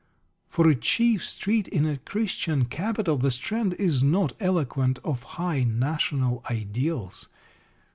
For a chief street in a Christian capital, the Strand is not eloquent of high national ideals.